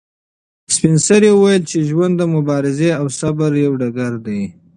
سپین سرې وویل چې ژوند د مبارزې او صبر یو ډګر دی.